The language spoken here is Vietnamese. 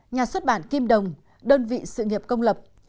nhà xuất bản kim đồng đơn vị sự nghiệp công lập